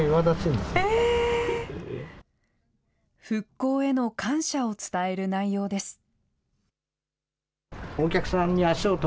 復興への感謝を伝える内容です。